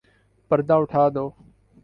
پردہ اٹھادو